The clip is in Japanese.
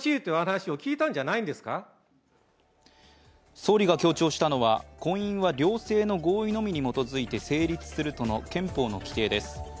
総理が強調したのは婚姻は両性の合意のみに基づいて成立するとの憲法の規定です。